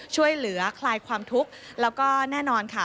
ช่วยเหลือคลายความทุกข์แล้วก็แน่นอนค่ะ